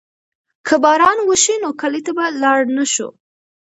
که باران وشي نو کلي ته به لاړ نه شو.